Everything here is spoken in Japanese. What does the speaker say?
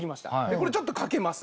これちょっとかけます